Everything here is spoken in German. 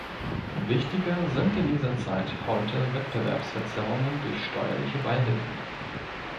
Wichtiger sind in dieser Zeit heute Wettbewerbsverzerrungen durch steuerliche Beihilfen.